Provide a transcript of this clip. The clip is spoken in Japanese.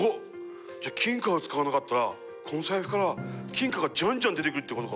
じゃあ金貨を使わなかったらこの財布から金貨がじゃんじゃん出てくるってことか。